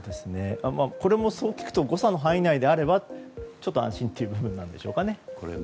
これもそう聞くと誤差の範囲内であればちょっと安心という部分なんでしょうかね。